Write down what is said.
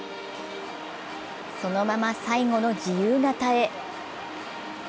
そのまま最後の自由形へ。